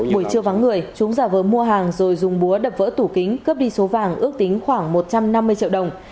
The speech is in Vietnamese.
buổi trưa vắng người chúng giả vờ mua hàng rồi dùng búa đập vỡ tủ kính cướp đi số vàng ước tính khoảng một trăm năm mươi triệu đồng